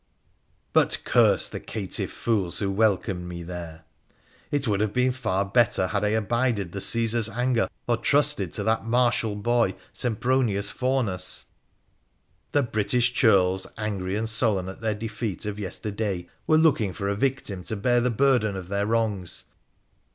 But, curse the caitiff fools who welcomed me there 1 It would have been far better had I abided Caesar's anger, or trusted to that martial boy Sempronius Faunus ! The British churls, angry and sullen at their defeat of yes terday, were looking for a victim to bear the burden of their wrongs.